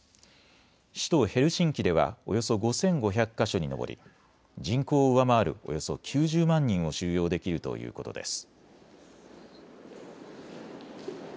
首都ヘルシンキではおよそ５５００か所に上り人口を上回るおよそ９０万人を収容できるということです。